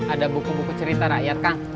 ada buku buku cerita rakyat kang